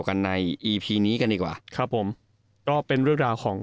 กันในอีพีนี้กันดีกว่าครับผมก็เป็นเรื่องราวของ